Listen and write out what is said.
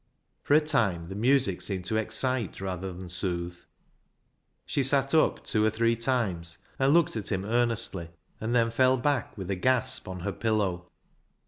For a time the music seemed to excite rather than soothe. She sat up two or three times and looked at him earnestly, and then fell back with a gasp on her pillow.